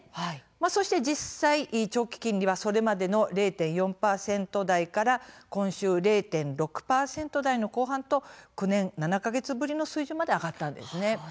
そして、実際、長期金利はそれまでの０．４％台から今週、０．６％台の後半と９年７か月ぶりの水準まで上がったんです。